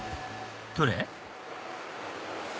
どれ？